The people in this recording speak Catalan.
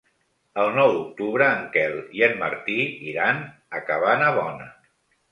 El nou d'octubre en Quel i en Martí iran a Cabanabona.